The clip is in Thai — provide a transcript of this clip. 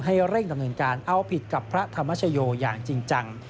เร่งดำเนินการเอาผิดกับพระธรรมชโยอย่างจริงจัง